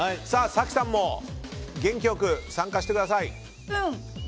早紀さんも元気良く参加してください！